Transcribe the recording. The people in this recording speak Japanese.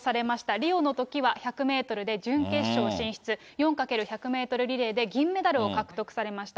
リオのときは１００メートルで準決勝進出、４×１００メートルリレーで銀メダルを獲得されました。